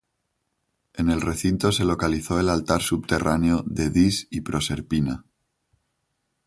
En el recinto se localizó el altar subterráneo de Dis y Proserpina.